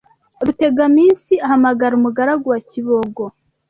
Rutegaminsi ahamagara umugaragu wa Kibogo